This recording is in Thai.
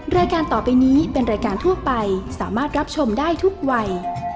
รายการต่อไปนี้เป็นรายการทั่วไปสามารถรับชมได้ทุกวัย